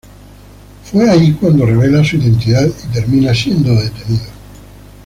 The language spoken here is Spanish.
Fue ahí cuando revela su identidad y termina siendo detenido.